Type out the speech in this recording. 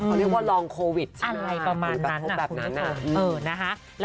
เขาเรียกว่าลองโควิดใช่ไหมครับหรือแบบโทษแบบนี้นะครับอะไรประมาณนั้นน่ะคุณนะครับ